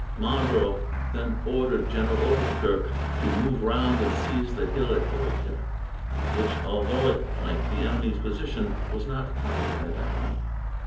Marlborough then ordered General Overkirk to move round and seize the hill at Oycke, which, although it flanked the enemy's position, was not held by them.